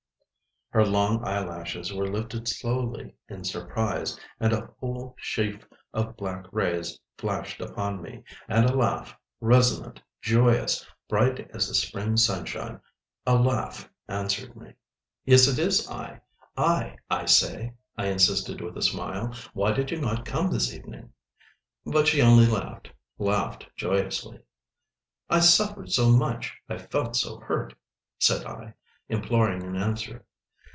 Her long eyelashes were lifted slowly in surprise, and a whole sheaf of black rays flashed upon me, and a laugh, resonant, joyous, bright as the spring sunshine—a laugh answered me. "Yes, it is I; I, I say," I insisted with a smile. "Why did you not come this evening?" But she only laughed, laughed joyously. "I suffered so much; I felt so hurt," said I, imploring an answer.